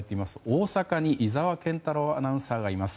大阪に井澤健太朗アナウンサーがいます。